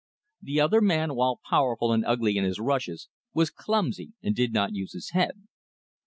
The other man, while powerful and ugly in his rushes, was clumsy and did not use his head.